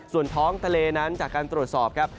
ส่วนท้องทะเลนั้นจากการตรวจสอบครับ